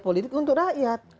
politik untuk rakyat